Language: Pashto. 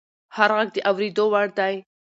هر غږ د اورېدو وړ دی